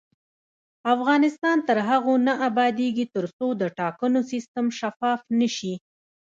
افغانستان تر هغو نه ابادیږي، ترڅو د ټاکنو سیستم شفاف نشي.